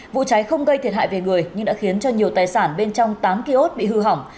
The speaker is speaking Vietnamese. vụ cháy không gây thiệt hại về người nhưng đã khiến cho nhiều tài sản bên trong tám kiosk bị hư hỏng